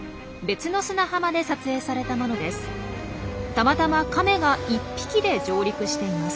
たまたまカメが１匹で上陸しています。